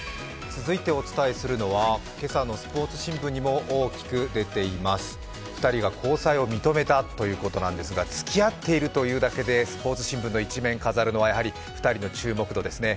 続いてお伝えするのは今朝のスポーツ新聞にも大きく出ています、２人が交際を認めたということなんですが、つきあっているというだけで、スポーツ新聞の１面を飾るのはやはり２人の注目度ですね。